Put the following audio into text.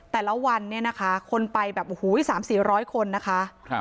แต่ละวันคนไปแบบสามสี่ร้อยคนนะคะ